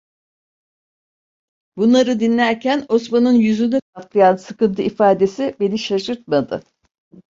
Bunları dinlerken Osman'ın yüzünü kaplayan sıkıntı ifadesi beni şaşırtmadı.